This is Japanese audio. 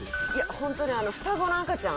ホントに双子の赤ちゃん